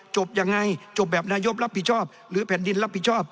จบยังไงจบแบบนายกรับผิดชอบหรือแผ่นดินรับผิดชอบ